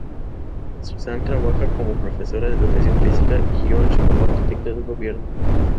Suzanne trabajaba como profesora de educación física y George como arquitecto del gobierno.